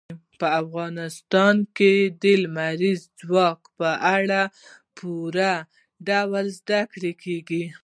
په افغانستان کې د لمریز ځواک په اړه په پوره ډول زده کړه کېږي.